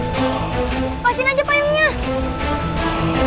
pasin aja payungnya